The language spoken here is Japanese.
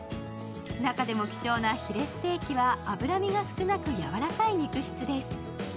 中でも希少なヒレステーキは脂身が少なく柔らかい肉質です。